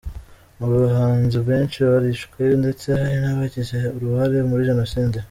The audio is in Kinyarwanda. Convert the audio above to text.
Mu bahanzi abenshi barishwe ndetse hari n’abagize uruhare muri Jenoside.